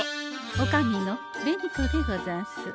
おかみの紅子でござんす。